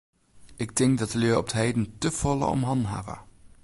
Ik tink dat de lju op 't heden te folle om hannen hawwe.